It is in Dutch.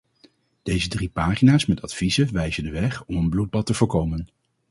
Deze drie pagina's met adviezen wijzen de weg om een bloedbad te voorkomen.